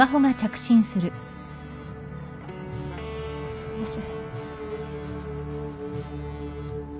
すいません。